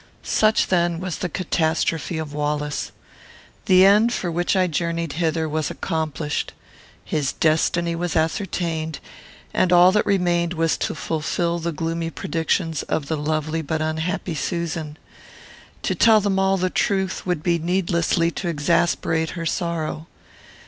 Such, then, was the catastrophe of Wallace. The end for which I journeyed hither was accomplished. His destiny was ascertained; and all that remained was to fulfil the gloomy predictions of the lovely but unhappy Susan. To tell them all the truth would be needlessly to exasperate her sorrow.